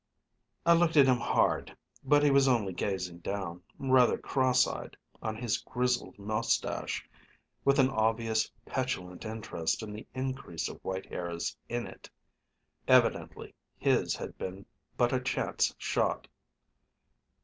I looked at him hard; but he was only gazing down, rather cross eyed, on his grizzled mustache, with an obvious petulant interest in the increase of white hairs in it. Evidently his had been but a chance shot.